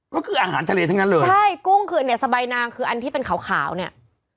ก็คืออาหารทะเลทั้งนั้นเลยใช่กุ้งคือเนี่ยสบายนางคืออันที่เป็นขาวขาวเนี่ย